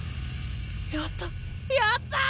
やったやったー！